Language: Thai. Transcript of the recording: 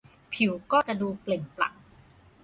ผิวก็จะดูเปล่งปลั่ง